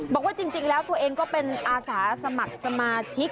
บอกว่าจริงแล้วตัวเองก็เป็นอาสาสมัครสมาชิก